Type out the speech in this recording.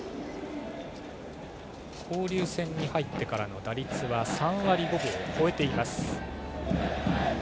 交流戦に入ってからの打率は３割５分を超えています。